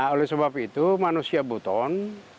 oleh sebab itu manusia buton